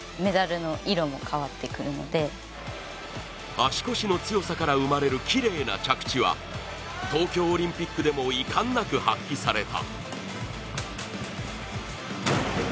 足腰の強さから生まれるきれいな着地は東京オリンピックでも遺憾なく発揮された。